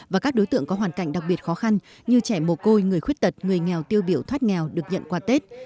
và các đối tượng có hoàn cảnh đặc biệt khó khăn như trẻ mồ côi người khuyết tật người nghèo tiêu biểu thoát nghèo được nhận quà tết